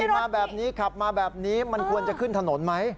มาแบบนี้ขับมาแบบนี้มันควรจะขึ้นถนนไหม